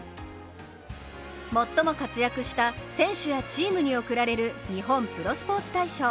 最も活躍した選手やチームに贈られる日本プロスポーツ大賞。